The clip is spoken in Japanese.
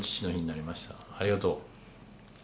ありがとう。